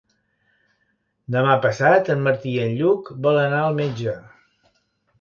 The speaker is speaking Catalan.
Demà passat en Martí i en Lluc volen anar al metge.